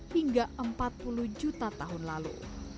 tiga puluh hingga empat puluh juta tahun lalu